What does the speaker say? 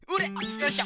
よいしょ！